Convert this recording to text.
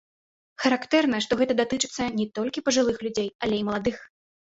Характэрна, што гэта датычыцца не толькі пажылых людзей, але і маладых.